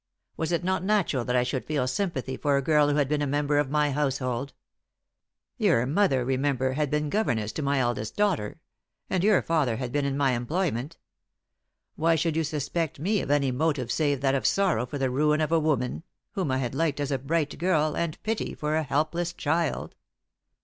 Was it not natural that I should feel sympathy for a girl who had been a member of my household. Your mother, remember, had been governess to my eldest daughter? And your father had been in my employment. Why should you suspect me of any motive save that of sorrow for the ruin of a woman whom I had liked as a bright girl and pity for a helpless child?"